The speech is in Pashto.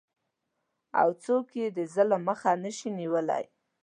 او څوک یې د ظلم مخه نشي نیولی؟